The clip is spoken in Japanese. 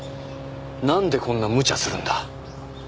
なんでこんなむちゃするんだ